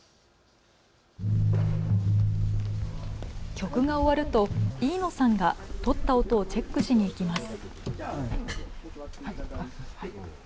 曲が終わると、飯野さんがとった音をチェックしにいきます。